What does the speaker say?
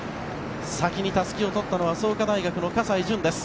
先にたすきをとったのは創価大学の葛西潤です。